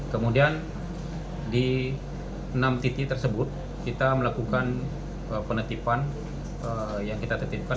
kemudian di enam titik tersebut kita melakukan penetipan yang kita tertipkan